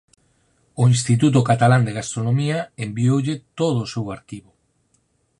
O Instituto catalán de gastronomía envioulle todo o seu arquivo.